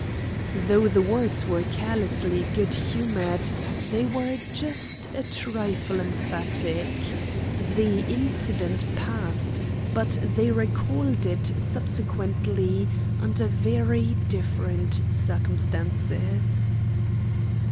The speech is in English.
'" Though the words were carelessly good humoured, they were just a trifle emphatic. The incident passed, but they recalled it subsequently under very different circumstances.